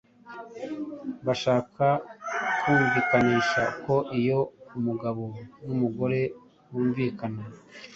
bashaka kumvikanisha ko iyo umugabo n’umugore bumvikana